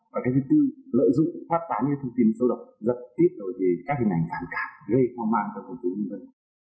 và cái thứ tư lợi dụng phát tán những thông tin sâu lập giật tiếp các hình ảnh phản cảm gây hoang mang cho công ty nhân dân